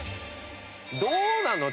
どうなの？